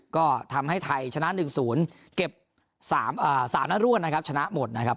ก็ทำให้ไทยชนะ๑๐เก็บ๓นัดร่วนนะครับชนะหมดนะครับ